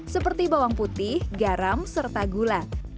seperti bawang putih garam serta gula